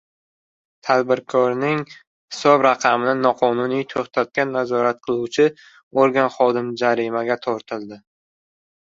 Tadbirkorning hisob raqamini noqonuniy to‘xtatgan nazorat qiluvchi organ xodimi jarimaga tortildi